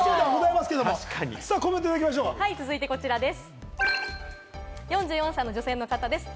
続いてこちらです。